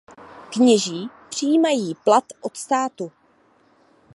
Kněží přijímají plat od státu.